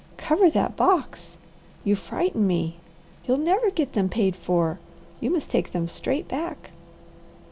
"Cover that box! You frighten me. You'll never get them paid for. You must take them straight back."